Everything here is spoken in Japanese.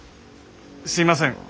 すいません